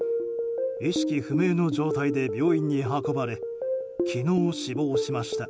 意識不明の状態で病院に運ばれ昨日、死亡しました。